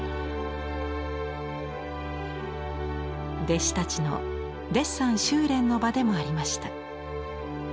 弟子たちのデッサン修練の場でもありました。